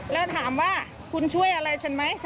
แล้วถามว่าคุณช่วยอะไรฉันไหม